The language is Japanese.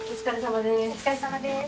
お疲れさまです。